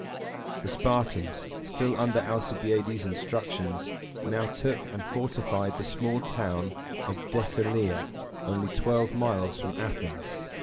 The Spartans, still under Alcibiades' instructions, now took and fortified the small town of Dec e le´a, only twelve miles from Athens.